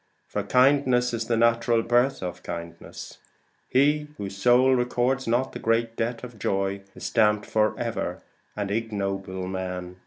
For kindness is the natural birth of kindness. Whose soul records not the great debt of joy, Is stamped for ever an ignoble man.